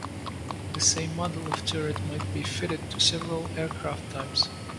The same model of turret might be fitted to several different aircraft types.